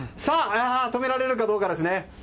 止められるかどうかですね。